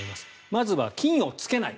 まずは菌をつけない。